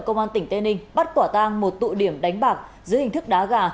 công an tỉnh tên ninh bắt quả tăng một tụ điểm đánh bạc dưới hình thức đá gà